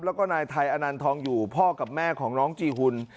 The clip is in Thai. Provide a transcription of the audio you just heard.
แล้วก็นายไทยอนันทองอยู่พ่อกับแม่ของน้องจีหุ่น